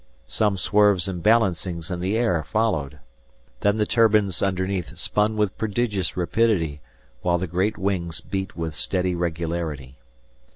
Some swerves and balancings in the air followed. Then the turbines underneath spun with prodigious rapidity, while the great wings beat with steady regularity.